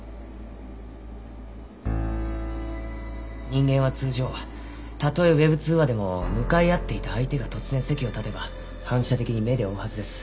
人間は通常たとえＷｅｂ通話でも向かい合っていた相手が突然席を立てば反射的に目で追うはずです。